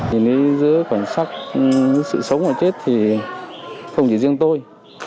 nhìn dưới khoảnh sắc sự sống và chết thì không chỉ riêng tôi